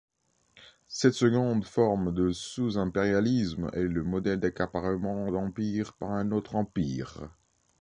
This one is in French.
Cette seconde forme de sous-impérialisme est le modèle d'accaparement d'empire par un autre empire.